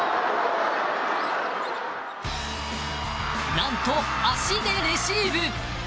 なんと、足でレシーブ。